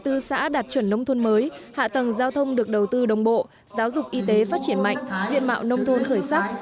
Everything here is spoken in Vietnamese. từ năm hai nghìn một mươi bốn xã đạt chuẩn nông thôn mới hạ tầng giao thông được đầu tư đồng bộ giáo dục y tế phát triển mạnh diện mạo nông thôn khởi sắc